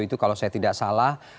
itu kalau saya tidak salah